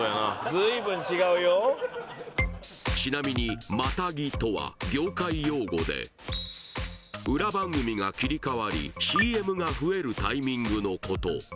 ずいぶん違うよちなみにまたぎとは業界用語で裏番組が切り替わりＣＭが増えるタイミングのこと